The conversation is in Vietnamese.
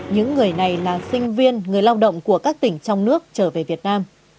những người này là sinh viên người lao động của các tỉnh trong nước trở về việt nam